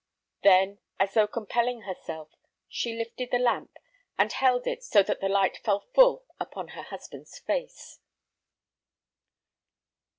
Then, as though compelling herself, she lifted the lamp, and held it so that the light fell full upon her husband's face.